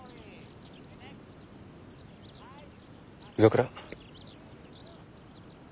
岩倉。